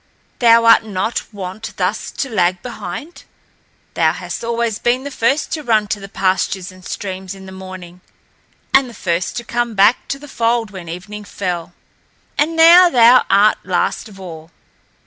Thou art not wont thus to lag behind. Thou hast always been the first to run to the pastures and streams in the morning and the first to come back to the fold when evening fell; and now thou art last of all.